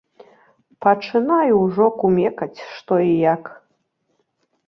Пачынаю ўжо кумекаць, што і як.